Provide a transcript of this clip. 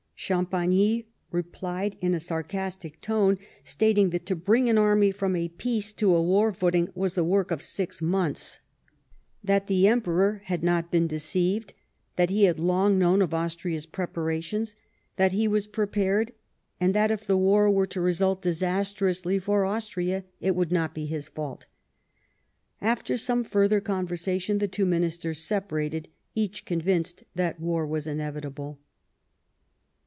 Champagny replied in a sar castic tone, stating that to bring an army from a peace to a war footing was the work of six months ; that the Emperor had not been deceived ; that he had long known of Austria's preparations ; that he was prepared ; and that if the war were to result disastrously for Austria, it would not be his fault. After some further conversation the two ministers separated, each convinced that war was inevitable.